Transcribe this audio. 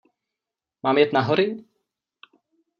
Mám jet na hory?